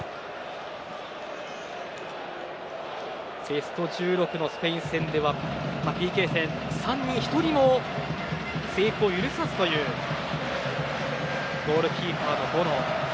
ベスト１６のスペイン戦ではＰＫ戦３人のうち１人も成功を許さずというゴールキーパーのボノ。